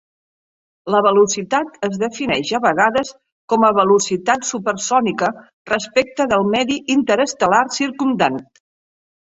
La velocitat es defineix a vegades com a velocitat supersònica respecte del medi interestel·lar circumdant.